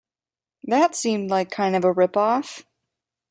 That seemed like kind of a rip off.